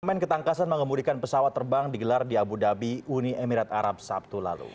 semen ketangkasan mengemudikan pesawat terbang digelar di abu dhabi uni emirat arab sabtu lalu